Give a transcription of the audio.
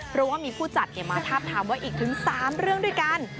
เพราะว่ามีผู้จัดมาทาบทามว่าอีกถึง๓เรื่องด้วยกัน